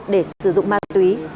để sử dụng ma túy